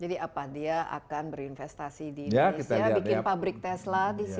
jadi apa dia akan berinvestasi di indonesia ya bikin pabrik tesla disini